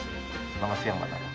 selamat siang pak natal